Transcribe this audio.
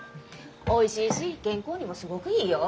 おいしいし健康にもすごくいいよ。